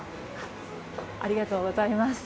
ありがとうございます。